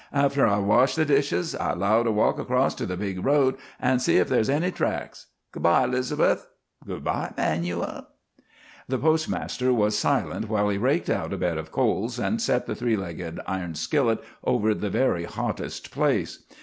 After I wash the dishes, I 'low to walk across to the big road an' see if there's any tracks. Good by, 'Liz'beth. Good by, 'Manuel." The postmaster was silent while he raked out a bed of coals and set the three legged iron skillet over the very hottest place.